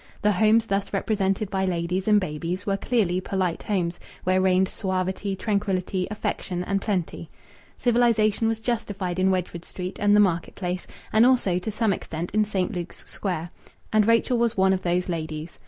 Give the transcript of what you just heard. The homes thus represented by ladies and babies were clearly polite homes, where reigned suavity, tranquillity, affection, and plenty. Civilization was justified in Wedgwood Street and the market place and also, to some extent, in St. Luke's Square.... And Rachel was one of these ladies.